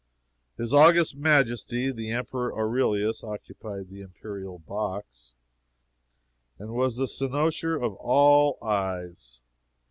His august Majesty, the Emperor Aurelius, occupied the imperial box, and was the cynosure of all eyes.